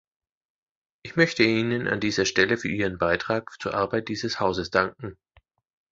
Ich möchte Ihnen an dieser Stelle für Ihren Beitrag zur Arbeit dieses Hauses danken.